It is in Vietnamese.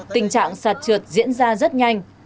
tình trạng sạt trượt diễn ra rất nhanh